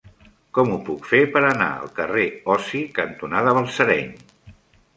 Com ho puc fer per anar al carrer Osi cantonada Balsareny?